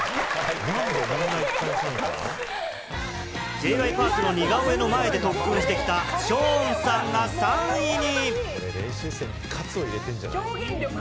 Ｊ．Ｙ．Ｐａｒｋの似顔絵の前で特訓してきたショーンさんが３位に。